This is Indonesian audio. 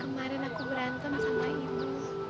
kemarin aku berantem sama ibu